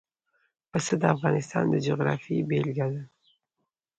پسه د افغانستان د جغرافیې بېلګه ده.